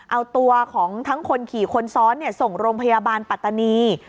เอาตัวของทั้งคนขี่คนซ้อนส่งโรงพยาบาลปัตตานี